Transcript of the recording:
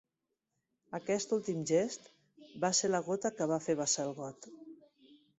Aquest últim gest va ser la gota que va fer vessar el got.